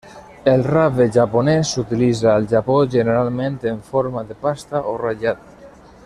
El rave japonés s'utilitza al Japó generalment en forma de pasta o ratllat.